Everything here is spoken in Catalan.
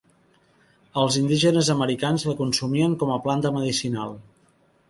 Els indígenes americans la consumien com a planta medicinal.